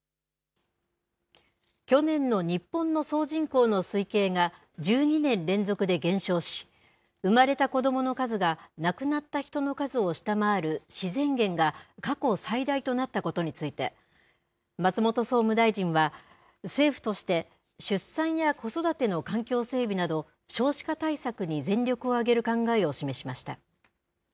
去年の日本の総人口の推計が１２年連続で減少し生まれた子どもの数が亡くなった人の数を下回る自然減が過去最大となったことについて松本総務大臣は政府として出産や子育ての環境整備など少子化対策に全力を挙げる考えを示しました。